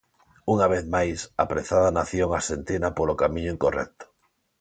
Unha vez máis, a prezada nación arxentina polo camiño incorrecto.